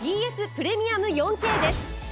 プレミアム４Ｋです。